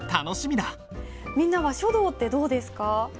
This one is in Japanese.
みんなは書道ってどうですか？